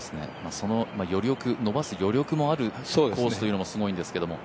その伸ばす余力のあるコースもすごいんですけど。